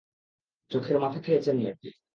চোখের মাথা খেয়েছেন নাকি?